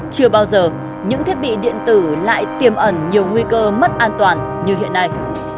chưa bao giờ những thiết bị điện tử lại tiềm ẩn nhiều nguy cơ mất an toàn như hiện nay